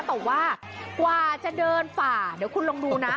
แต่ว่ากว่าจะเดินฝ่าเดี๋ยวคุณลองดูนะ